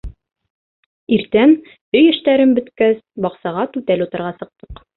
Иртән өй эштәрен бөткәс, баҡсаға түтәл утарға сыҡтыҡ.